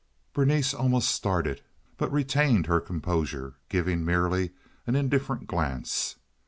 Berenice almost started, but retained her composure, giving merely an indifferent glance.